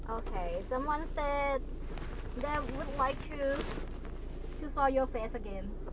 โอเคมีใครที่อยากจะเห็นเธออีกครั้ง